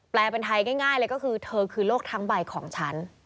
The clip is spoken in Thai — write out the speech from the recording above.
เป็นไทยง่ายเลยก็คือเธอคือโรคทั้งใบของฉัน